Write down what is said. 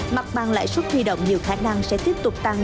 mặt bằng lãi suất huy động nhiều khả năng sẽ tiếp tục tăng